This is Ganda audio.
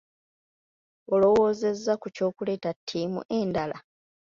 Olowoozezza ku ky'okuleeta ttiimu endala?